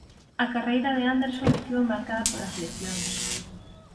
A carreira de Anderson estivo marcada polas lesións.